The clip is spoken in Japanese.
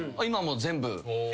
今も全部。